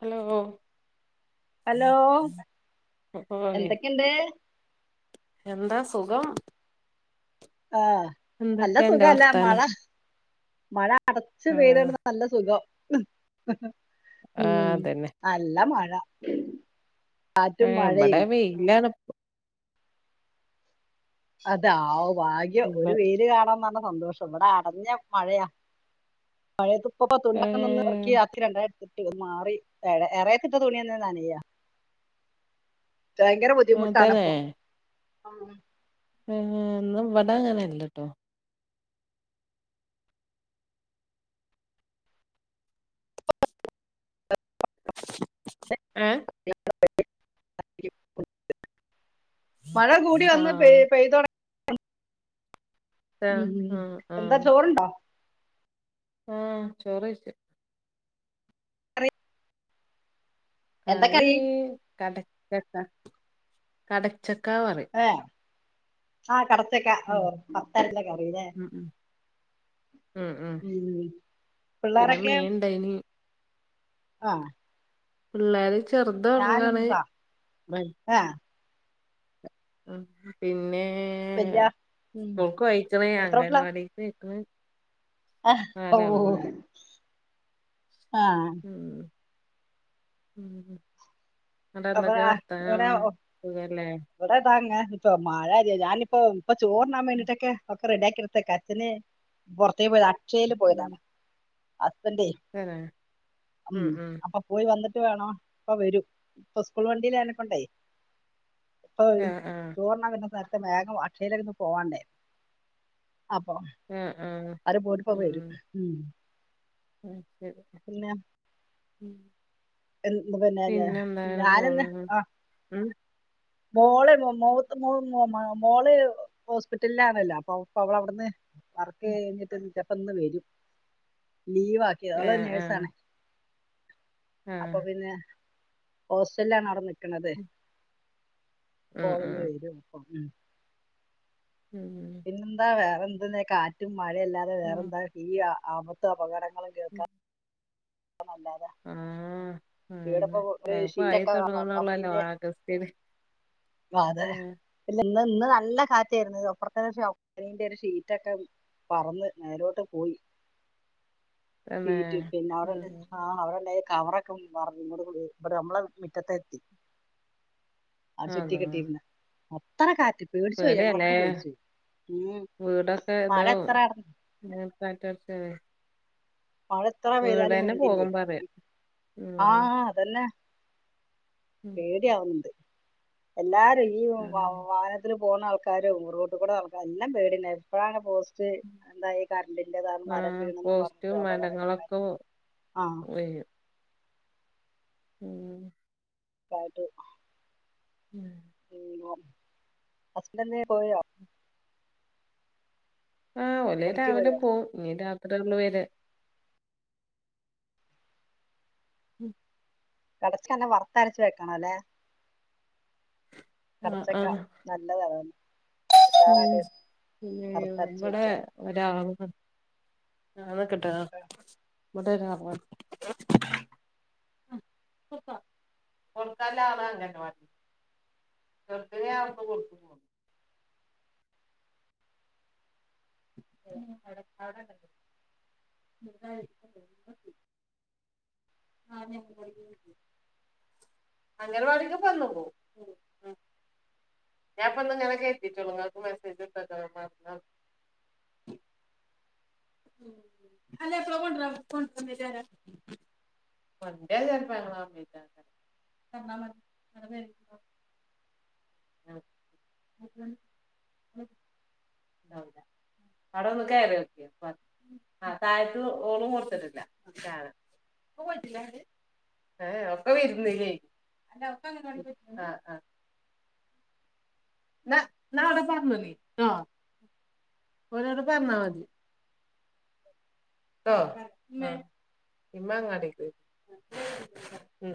Hello hello ഓയ് എന്തൊക്കെയുണ്ട് എന്താ സ് ആ നല്ല എന്തൊക്കെയാ അന്റെ സുഖല്ലേ മഴ വർത്താനം മഴ അടച്ച് ആഹ് പെയ്തോണ്ട് നല്ല സുഖം ഉം ആഹ് അതന്നെ നല്ല മഴ ആ കാറ്റും മഴയും ബടെ വെയിലാണ് പ്പ അതെ ആ ഭാഗ്യം ഇബ ഒരു വെര് കാണാഞ്ഞ സന്തോഷം ഇവിടെ അടഞ്ഞ മഴയാ മഴയപ്പപ്പോ തുണിയൊക്കെ നിന്ന് ഏഹ് ഇറക്കി അത്തി രണ്ടായി ട്ട മാറി ഏ എറെയത്തിതിട്ട തുണിയന്ന നാന്യ ഭയങ്കര ബുദ്ധിമുട്ട് അനപ്പം ആ ഇവിട അങ്ങനെല്ലട്ടോ ഏ മഴ കൂടി വന്ന് പെയ ആഹ് പെയ്തോ ഉം ആഹ് ഉ ആഹ് എന്താ ചോറണ്ടോ ആഹ ചോറച്ച കറി കറി കടച്ചക്ക കടച്ചക്കാ വറി ആഹ കടത്തൊക്കെ ഓ ഭത്താരല്ലൊക്കെ അറില്ലേ ഉം ഉം ഉം ഉം ഉ പിന്നെ പിള്ളോരൊക്കെ മീൻ ഇണ്ടായിനി ആഹ പിള്ളേര് ചെറുത ഉടങ്ങാണ് സാ ആ ഉ പിന്നെ വല്യ ഉം സ്കൂൾക്ക് വായിച്ചണ അംഗൻവാടിക്കുന്ന് ആഹ ഓ ആഹ് ഉം ഉം ന്നട്ട് അപ്പ എന്തൊക്കെ വർത്താനം ഒടെഓ സുഖല്ലേ ഉവിടെ താങ്ങ ഇപ്പ മഴ ഞാനിപ്പ ഇപ്പ ചോറിനാൻ ഉം വേണ്ടിട്ടൊക്കെ റെഡിയാക്കി എടുത്തേക്കെ അച്ഛന് പുറത്തേക്ക് പോയത് അച്ചൽ ഉം പോയതാണ് തന്നെ ഉ ഉം ഉം അപ്പൊ പോയി വന്നിട്ട് വേണോ അപ്പ വരും ഇപ്പൊ സ്കൂൾ വണ്ടിൽനെക്കണ്ടേ ആഹ് ആഹ് ചോർന പിന്നെ സ വേഗം അക്ഷയിലേന്ന് പോവാണ്ടേ അപ്പൊ ആം അര പോട്ടപ്പ വരും ഉ അ ശരി ഉ എ പിന്നെന്ന പോണ് ഞാനെന്നാ ഉം ആഹ ഉം മോളെ മവ മൂ മോളെ ഹോസ്പിറ്റലിലാണല്ലോ അപ്പൊ അപ്പ അവള അവിടുന്ന് വറക്ക കഴിഞ്ഞിട്ട് ചപ്പന്ന് വരും ലീവ് ആക്കിയത് അവളെ ആഹ് നേഴ്സ ആണ ആഹ് അപ്പൊ ആഹ് പിന്നെ ഹോസ്റ്റലാണ് അവിടെ നിിക്കണത് ഉം ഉം അഓളന്ന് വരും അപ്പ ഉ ഉം പിന്നെ എന്താ വേറെ എന്തെന്നാ കാറ്റും മഴ അല്ലാതെ ഉം വേറെന്താ ഈ ആപത്ത് അപകടങ്ങ നള കേക്കാം ഉല്ല ആഹ ഒരു പിെ ഇപ്പൊ ഷീ- ആയി തൊണണ ഉള്ളല്ലോ ആഗസ്റ്റന് അ അതെ പിെ ഇ ഇന്ന് നല്ല കാറ്റ ആായിരുന്നു ഇത് അപ്പറ ീന്റെ ഒരു ഷീറ്റ്ക്കെ പറന്ന് നേരോട്ട് പോയി തന്നെ ീ പിന്നെ അവിടെ ആ ഉം അവിടെന്ന കവറൊക്കെു നിങ്ങളോട് കൂടി ഇ് നമ്മള മുറ്റത്തെ എത്തി അവടെ ചുറ്റി അതാ കെട്ടിയിരുന്ന അത്രന കാറ്റ് പേടിച്ചു പോോയി ഞങ്ങളൊക്കെ പേടിയാല്ലേ പേടിച്ചു പോയി ഉം വീടൊക്കെ മഴ ഇതാവ എത്ര റ്റടച്ചേ മഴ എത്ര പെയ്താലും വേണ്ടില്ലേ പറയാ ഉം ആഹ അതന്നെ ഉം പേടിയ ആവുന്നുണ്ട് എല്ലാരും ഈ വ ആഹ് വാഹനത്തി പോകുന്ന ആൾക്കാരും റോട്ട കൂടെ ആൾക്കാര എല്ലാം പട എപ്പോഴാണ് പോ എന്താ കറണ്ടിറതാണ് മരം ആഹ് വീണും പറഞ്ഞിട്ട് പോസ്റ്റും അപകടങ്ങൾക്ക മരങ്ങളൊക്കെ വീഴും ഉം [unintelligible] ഉം ഹസ്ബൻഡന്ന പോയോ ആ ഒലേ പണിക്ക് രാവിലെ പോയോ പോവും ഇനി രാത്രിയള്ള വേര കടച്ചന്നെ വറത്തരച്ചു വെക്കണോ അല്ലേ കറച്ചക്ക നല്ലതതെ ഉ കറുത്തരച്ച് ഇവിടെ വെക്കാം ഒരാൾ കി വിട ഇവിടെറ കൊറക്ക കൊറക്കല്ല ആള അങ്ങനവാ ചേർക്കുക കൊടുത്തു പോ [inaudible] [inaudible] അങ്ങെട് വടക്കേ [unintelligible] പോ ഞാൻപ്പോങ്ങനെ കേട്ടീട്ടുള്ളൂ നിങ്ങൾക് മെസ്സേജ് ഇട്ട [unintelligible] അല്ലെ പോകോണ്ടറ [unintelligible] [unintelligible] തന്നാ മതി [inaudible] ആ അട ഒന്ന് കയറിക്ക താഴത്ത് ഓളും കൊടുത്തിട്ടില്ല ഇപ്പൊ പോയിട്ടില്ല അത് ഏ ഒക്കെ വാരുന്നുലെ അഹ് അഹ് ന അവിടെ പറഞ്ഞതി ആഹ് ഓരോട് പറഞ്ഞാ മതി ഹോ മാങ്ങടിക്ക് ഉം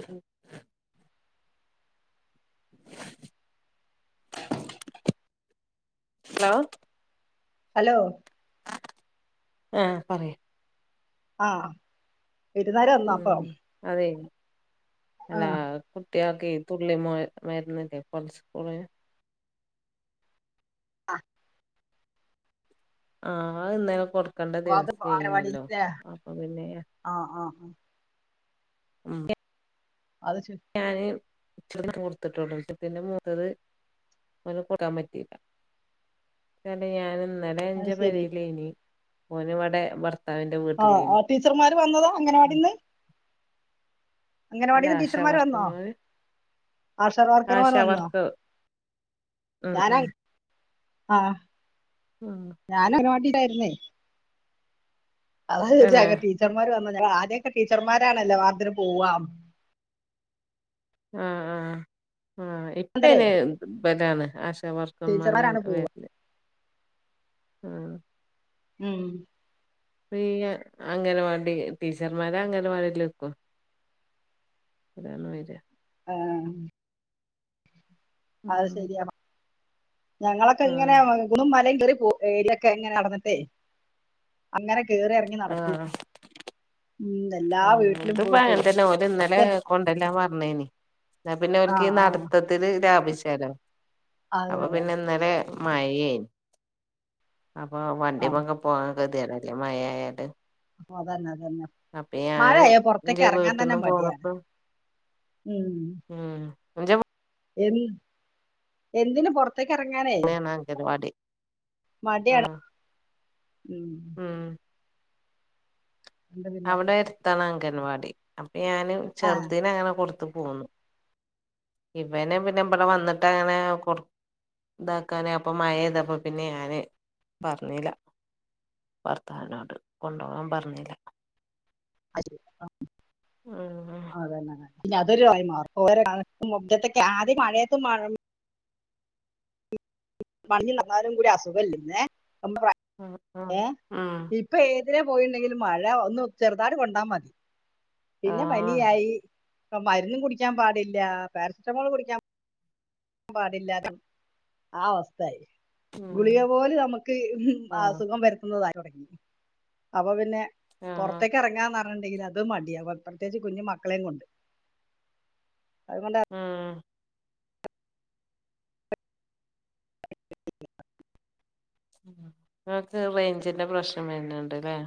ഹലോ ഹലോ ഏഹ് പറയു അഹ് ഉം അതെ അതാ ആ ലാർക്കും കുട്ടിയക്കി തുള്ളി മരുന്നല്ലേ പൾസ് പോലെ ആ ആ ഇന്നേനെ കൊടുക്കേണ്ട അപ്പൊ അത് ദിവസം കഴിഞ്ഞാലോ അംഗനവാടിയിലത്തെ അപ്പൊ പിന്നെ ആ ആ ആ ഹ്മ്മ് അത് ശ- ഞാന് ഇച്ചിരി കൊടുത്തിട്ടുള്ളു പിന്നെ മുത്തത് അത് കൊടുക്കാൻ പറ്റിയില്ല ഞാൻ ഇന്നലെ അത് എന്റെ ശരി പേരയിലെനി ഓൻ ഇവിടെ ഭർ ആ അ ടീച്ചർമാര് വന്നതാ അങ്ങനവാടിന്ന് അല്ല ആശ വർക്കാർ വന്നോ മാര് ആശാ ആശ വർക്കർമാർ വന്നോ വർക്ക് ഉം ഉം അഹ് ഉം ഞാൻ അംഗനവാടിലായിരുന്നെ അതാ തന്നെ ചോയ്ച്ച ടീച്ചറ്മാര് വന്ന് ആദ്യൊക്കെ ടീച്ചർമാരാണല്ലോ വാർത്തിന് പോവാം ആ ആഹ് ആഹ് അന്തരേ ഇപ്പനെ വരാണ് ആശ വർക്കും മലയാ ടീച്ചർമാരാണ് പോ [unintelligible] ആ ഉം പ്രീ അങ്ങനവാടി ടീച്ചർമാരെ അംഗനവാടിലിക്കും [unintelligible] ആ അത് ഉം ശരിയാണ് ഞങ്ങളൊക്കെ ഇങ്ങനെ ആഹ് കുന്നും മലയും കയറി പോ ഏരിയൊക്കെ എങ്ങനെ നടന്നിട്ടെ അങ്ങനെ കേറി ഇറങ്ങി നടക്കും ഉം, എല്ലാ ഇത് വീട്ടിലും അപ്പൊ അങ്ങനെ പോയിട്ട് തന്നെ ഓല ഇന്നലെ കൊണ്ടല്ലാ പറ. അന്നാ പിന്നെ അവർക്ക് ആഹ് ആഹ് നടത്തത്തില് ലഭിച്ചാലോ അതെ അപ്പൊ അതെ പിന്നെ ഇന്നേല മഴേ അപ്പൊ വണ്ടിമെ ഒക്കെ പോകൻ [unintelligible] മഴ ആയാല്. അ അതന്നെ അതന്നെ അപ്പ ഞാന് മഴയായ പുറത്തേക്ക് ന്റെ ഇറങ്ങാൻ തന്നെ വീട്ടന്നും മടിയാണ് പോന്നിപ്പം, ഉം ഉം [unintelligible] എ എന്തിന് പുറ പുറത്തക്ക് ഇറങ്ങാനേ വീടാണ് അംഗനവാടി മടിയാണ് ആഹ് ഉം എന്താ പിന്നെ അവിടെ അടുത്താണ് അംഗനവാടി, അപ്പൊ ഞാന് ആഹ് ചെറുതീന് അങ്ങനെ പുറത്ത് [unintelligible] ഇവനെ പിന്നെ ഇവിടെ വന്നിട്ട് അങ്ങനെ പുറ ഇതാക്കാന് അപ്പ മയേതപ്പ പിന്നെ ഞാന് പറഞ്ഞില്ല. ഭർത്തവിനോട് കൊണ്ട് പോവാൻ പറഞ്ഞില്ല അ ഉം അതന്നെ പിന്നെ അതൊരു വഴി മാറും, ഓരോ കാലുംത്തൊക്കെ ആദ്യം മഴയത്തും മാറും പണ്ട് നടന്നാലും കൂടി അസുഖല്ലന്ന് നമ്മ ഉം ഉം ഉം ഇപ്പോ ഇതിനെ പോയിണ്ടെങ്കിൽ മഴ ഒന്ന് ചെറുതായിട്ട് കൊണ്ടാ മതി പിന്നെ ആഹ് പനിയായി. ഇപ്പ മരുന്നും കുടിക്കാൻ പാടില്ല പാരസെറ്റമോൾ കുടിക്കാൻ ൻ പാടില്ലാ ആ അവസ്ഥയായി ഉം ഗുളിക പോലും നമുക്ക് ആഹ് അസുഖം വരുത്തുന്നതായി തുടങ്ങി, അപ്പൊ പിന്നെ ആഹ് പുറത്തേക്ക് ഇറങ്ങാൻ ഉണ്ടെങ്കിൽ അത് മതി, പ്രത്യേകിച്ച് കുഞ്ഞു മക്കളെയും കൊണ്ട്. അതുകൊണ്ട ഉം നിങ്ങക്ക് റേഞ്ചിന്റെ പ്രശ്നം വരുന്നണ്ടല്ലേ.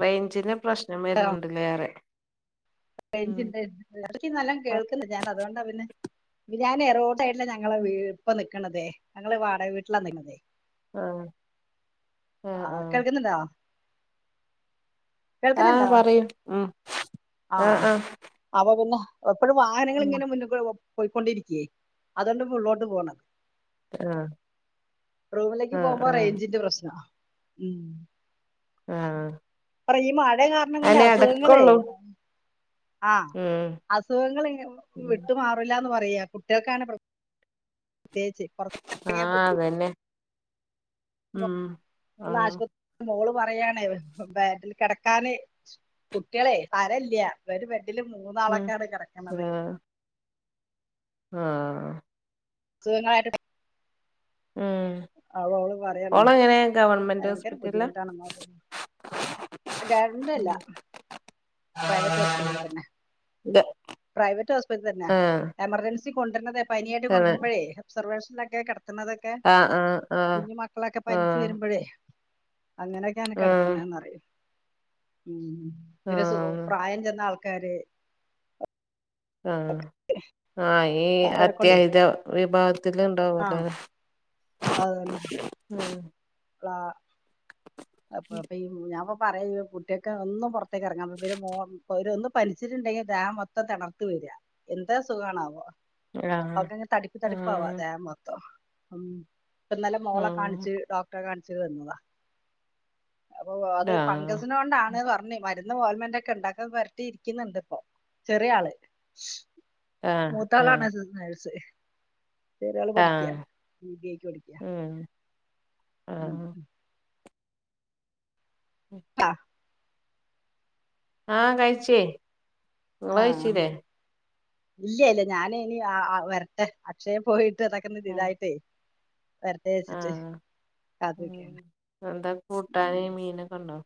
റേഞ്ചിന് പ്രശ്നം വരുന്നുണ്ടില്ലേ, റേ റേഞ്ച് ഇണ്ട്, എന്നാളിക്കീം, എല്ലാം ആഹ് കേൾൾക്കുന്നുണ്ട്, ഞാൻ അതുകൊണ്ടാ പിന്നെ ഞാൻ റോഡായിട്ടില്ല ഞങ്ങളെ ഇപ്പ നിക്കക്കണതെ, ഞങ്ങള് വാടക വീട്ടിലാണ് നിക്കണതേ. ആഹ് ആ ആഹ് കേൾക്കുന്നുണ്ടോ ആ, കേൾക്കുന്നുണ്ടോ പറയു ഉം ആ, ആഹ് ആഹ് അപ്പൊ പിന്നെ എപ്പോഴും വാഹനങ്ങൾ ഉം ഇങ്ങനെ മുന്നി കൂടെ പോയ്ക്കൊണ്ടിരിക്കേ, അതുകൊണ്ട് മുന്നോട്ട് പോണ് ആഹ് റൂമിലേക്ക് ആഹ് പോകുമ്പോ ആഹ് റേഞ്ചിന്റെ പ്രശ്നവാ ആ ഈ മഴ കാരണം കൊണ്ടെ അസുഖങ്ങളേ ആ, ഉം അസുഖങ്ങൾ വിട്ട് മാറില്ലാന്ന് പറ പറയാ കുട്ടികൾക്കാണ് പ്രത്യേകിച്ച് പൊറത്തേക്കിറങ്ങിയാൽ ആഹ് കുട്ടി അതന്നെ ഉം ഒന്ന് ആഹ് ആശുപത്രി മോളു പറയാണെ ബാറ്റിൽ കിടക്കാന് കുട്ടികളെ സാരില്യ വീട്ടില് ഉം മൂന്നാളൊക്കെയാണ് കിടക്കണത് ആ സുഖങ്ങളായിട്ട് ഉം അവ, അവള് പറയാണ് ഓളെങ്ങനെ ഗവൺമെന്റ് ഭയങ്കര ഹോസ്പിറ്റലിലാ ബുദ്ധിമുട്ടാണെന്ന് അവക്ക് കരണ്ടല്ല പ്രൈവറ്റാേസ്പിറ്റൽ തന്നെ ഗ പ്രൈവറ്റ് ഹോസ്പിറ്റൽ തന്ന ആഹ് എമജൻ ച്ചി കൊണ്ടര്ണതെ പനിയായിട്ട് തന്നെ കൊണ്ടരുമ്പഴേ ഒബ്സർവേഷനാെക്കെ കെടത്ത്ണതൊക്കെ ആഹ് ആഹ് ആഹ് കുഞ്ഞ് മക്കളൊക്കെ പൻച്ച് ആഹ് വര്മ്പഴേ അങ്ങനെയൊക്കെയാണ് ആഹ് കിടത്തണന്ന്റിയ ഉം പിന്നെ സു ആഹ് പ്രായം ചെന്നാൾ കാര് ആ ആ ഈ അവരെ കൊണ്ടേ അത്യാഹിത വിഭാ ആ ത്തികണ്ടാവല്ലേ ഉം ളാ അപ്പൊപ്പി ഈ ഞൻപ്പൊ പറയെയ്ന് കുട്ട്യെക്കെന്നും പൊറത്തേക്കെറങ്ങാൻ ഇവര് മോ ഒര് ഒന്ന് പനിച്ചിട്ട്ണ്ടെങ്കി ദേഹം മൊത്തം തെണർത്ത് വെര എന്ത് അസുഖാണാവോ ആഹ് ഒക്കെങ്ങെനെ തടിപ്പ് തടിപ്പാവാ ആഹ് ദേഹംമൊത്തം ഉം ഇപ്പന്നലെ മോളെ ഉം കാണിച്ച് ഡോക്ടറെ കാണിച്ചിട്ട് വന്നതാ അപ്പൊ അത് ആഹ് ഫംഗസിനോണ്ടാണ് പർ ന്ന് മര്ന്നും ഓൽമെന്റെക്കെണ്ട് അക്കൊ പൊരട്ടി ഇരിക്കിന്ന്ണ്ട്പ്പൊ ചെറ്യേ ആള് ആഹ് മൂത്താളാണ് ആഹ് ത് നെഴ്സ് ചെറ്യാള് പഠിക്ക ആഹ് ബിബിഐക്ക് പഠിക്ക ഉം ഉം ആഹ് അ ആ കഴിച്ചേ ആ ഇങ്ങളയ്ച്ചീലെ ഇല്ല ലെല്ല ഞാനിനി വെരട്ടെ അക്ഷയെ പോയിട്ട് ഇതൊക്കെന്ന് ഇതായിട്ടെ ആ ഉം അതൊക്കെയാണ് എന്താ കൂട്ടാന്‌ ഉം മീനൊക്കെണ്ടോ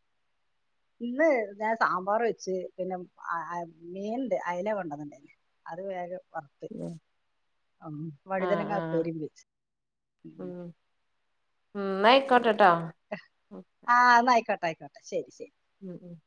ഇന്ന് ഞാൻ സാമ്പാറ് വെച്ച് പിന്നെ അ അ മീൻണ്ട് അയ്ല കൊണ്ടന്ന്ണ്ടയ് അത് വേഗം വർത്ത് ഉം ഉം ആഹ് വഴിതനങ്ങ ആഹ് ഉപ്പരിണ്ട് ആ അ ആന്നാ അയ്ക്കോട്ടെ അയ്ക്കോട്ടെ ശെരി ശെരി ഉം ഉം